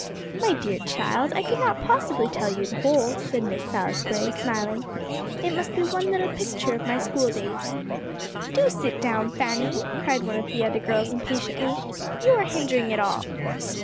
"My dear child, I could not possibly tell you the whole," said Miss Salisbury, smiling; "it must be one little picture of my school days." "Do sit down, Fanny," cried one of the other girls impatiently; "you are hindering it all."